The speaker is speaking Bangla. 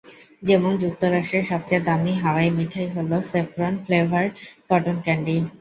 যেমন যুক্তরাষ্ট্রে সবচেয়ে দামি হাওয়াই মিঠাই হলো সেফরন ফ্লেভারড কটন ক্যান্ডি।